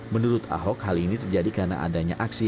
menurut ahok hal ini terjadi karena adanya aksi